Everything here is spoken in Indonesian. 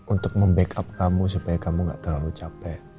untuk membackup kamu supaya kamu gak terlalu capek